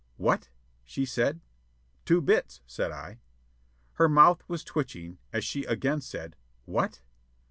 "What?" she said. "Two bits," said I. Her mouth was twitching as she again said, "What?"